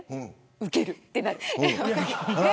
うけるってなる。